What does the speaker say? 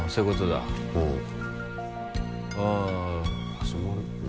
始まる。